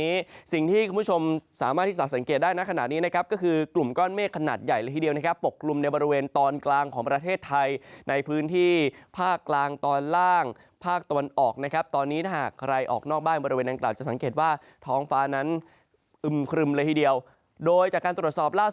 นี้สิ่งที่คุณผู้ชมสามารถที่สักสังเกตได้นะขณะนี้นะครับก็คือกลุ่มก้อนเมฆขนาดใหญ่เลยทีเดียวนะครับปกกลุ่มในบริเวณตอนกลางของประเทศไทยในพื้นที่ภาคกลางตอนล่างภาคตอนออกนะครับตอนนี้ถ้าหากใครออกนอกบ้านบริเวณนั้นกล่าวจะสังเกตว่าท้องฟ้านั้นอึมครึ่มเลยทีเดียวโดยจากการตรวจสอบล่